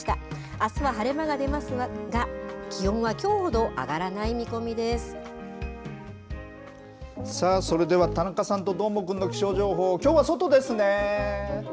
あすは晴れ間が出ますが、気温はさあそれでは田中さんとどーもくんの気象情報、きょうは外ですね。